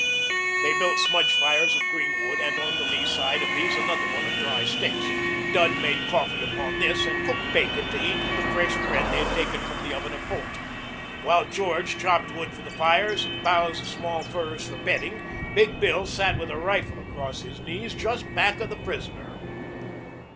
They built smudge fires of green wood and on the lee side of these another one of dry sticks. Dud made coffee upon this and cooked bacon to eat with the fresh bread they had taken from the oven of Holt. While George chopped wood for the fires and boughs of small firs for bedding, Big Bill sat with a rifle across his knees just back of the prisoner.